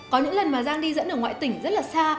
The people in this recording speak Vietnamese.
có những lần mà giang đi dẫn ở ngoại tỉnh rất là xa